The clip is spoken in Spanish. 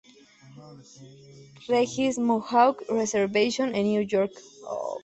Regis Mohawk Reservation en Nueva York.